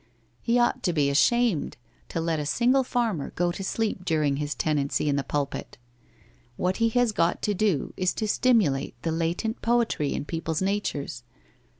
He ought to be ashamed to let a single farmer go to sleep during his tenancy in the pulpit. What he has got to do is to stimulate the latent poetry in people's natures.